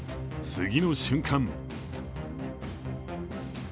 次の瞬間